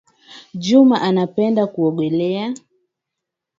Juma anapenda kuogelea